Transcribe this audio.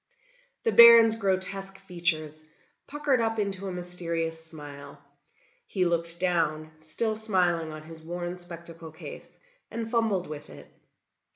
The Baron's grotesque features puckered up into a mysterious smile; he looked down, still smiling on his worn spectacle case and fumbled with it.